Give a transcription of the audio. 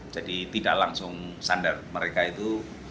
jadi tidak langsung sandar mereka itu